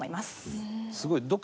すごい。